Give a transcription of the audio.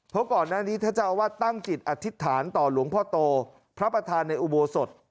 เพราะก่อนหน้านี้ท่านเจ้าอาวาสตั้งจิตอธิษฐานต่อหลวงพ่อโตพระประธานในอุโบสถ